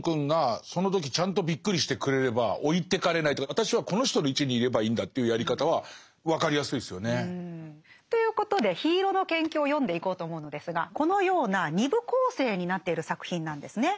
私はこの人の位置にいればいいんだというやり方は分かりやすいですよね。ということで「緋色の研究」を読んでいこうと思うのですがこのような２部構成になっている作品なんですね。